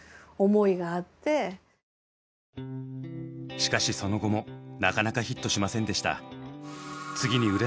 しかしその後もなかなかヒットしませんでした。